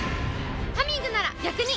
「ハミング」なら逆に！